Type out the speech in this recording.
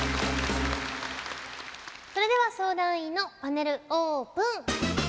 それでは相談員のパネルオープン。